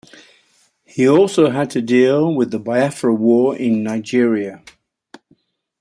He also had to deal with the Biafra war in Nigeria.